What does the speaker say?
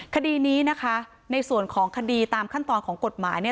คดีนี้นะคะในส่วนของคดีตามขั้นตอนของกฎหมายเนี่ย